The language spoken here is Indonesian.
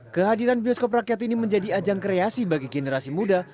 kehadiran bioskop rakyat ini menjadi ajang kreasi bagi generasi muda